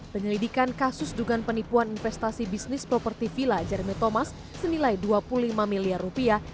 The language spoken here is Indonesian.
penyelidikan kasus dugaan penipuan investasi bisnis properti villa jeremy thomas senilai dua puluh lima miliar rupiah